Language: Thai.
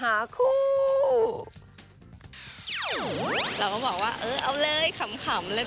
เราก็บอกว่าเอาเลยขำเลย